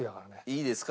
いいですか？